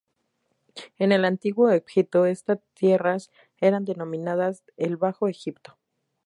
En el Antiguo Egipto estas tierras eran denominadas el Bajo Egipto.